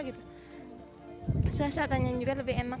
suasatanya juga lebih enak